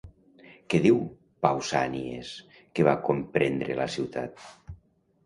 Què diu Pausànies que va comprendre la ciutat?